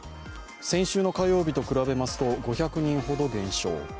先週の火曜日と比べますと５００人ほど減少。